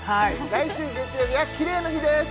来週月曜日はキレイの日です